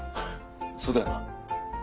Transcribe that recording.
そうだよな。